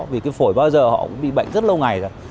vì cái phổi bao giờ họ cũng bị bệnh rất lâu ngày rồi